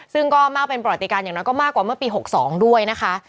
ซึ่งก็มากเป็นประวัติการอย่างน้อยก็มากกว่าเมื่อปี๖๒ด้วยนะคะ